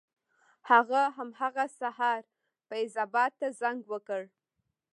هغه همغه سهار فیض اباد ته زنګ وکړ.